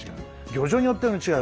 漁場によっても違う。